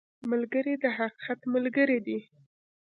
ملګری د حقیقت ملګری دی